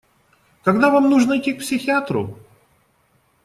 Когда вам нужно идти к психиатру?